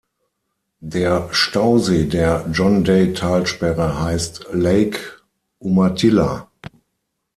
Der Stausee der John-Day-Talsperre heißt „Lake Umatilla“.